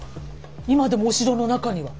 今でもお城の中には。